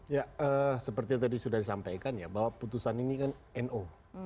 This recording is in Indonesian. ya seperti yang tadi sudah disampaikan ya bahwa putusan ini kan no